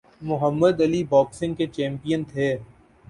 محمد Ali boxing کے champion تھے